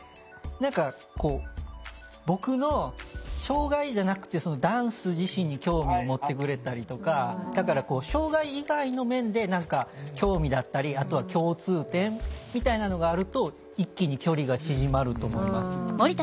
何か僕の障害じゃなくてダンス自身に興味を持ってくれたりとかだから障害以外の面で何か興味だったりあとは共通点みたいなのがあると一気に距離が縮まると思います。